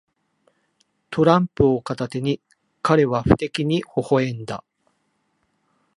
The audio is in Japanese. トランプを片手に、彼は不敵にほほ笑んだ。